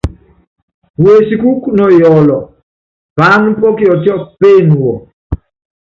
Wesikúúkú nɔ Yɔɔlɔ, paána pɔ́ Kiɔtiɔ péene wɔ.